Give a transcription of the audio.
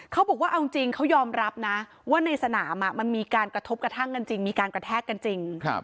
เขาบอกว่าเอาจริงเขายอมรับนะว่าในสนามมันมีการกระทบกระทั่งกันจริงมีการกระแทกกันจริง